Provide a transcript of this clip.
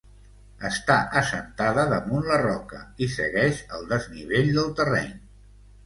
Està assentada damunt la roca i segueix el desnivell del terreny.